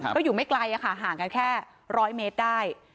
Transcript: ก็อยู่ไม่ไกลค่ะห่างกันแค่๑๐๐เมตรได้